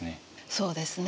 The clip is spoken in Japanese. そうですね。